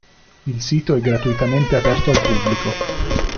Il sito è gratuitamente aperto al pubblico.